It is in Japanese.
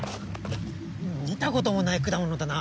見たこともない果物だな。